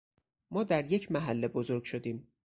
ما در یک محله بزرگ شدیم